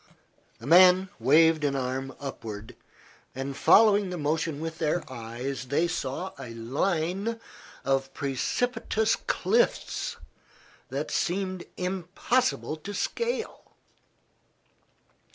The man waved an arm upward, and following the motion with their eyes they saw a line of precipitous cliffs that seemed impossible to scale.